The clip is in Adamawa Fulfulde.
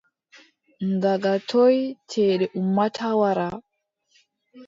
Daga toy ceede ummata wara ?